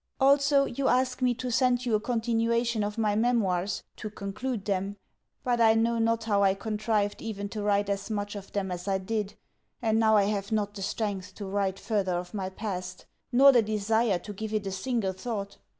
Also, you ask me to send you a continuation of my memoirs to conclude them. But I know not how I contrived even to write as much of them as I did; and now I have not the strength to write further of my past, nor the desire to give it a single thought.